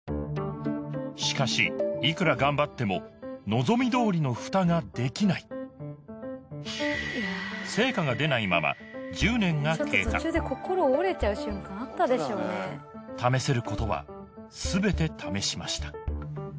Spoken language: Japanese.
しかしいくら頑張っても望みどおりのフタができない成果が出ないまま１０年が経過試せることはすべて試しました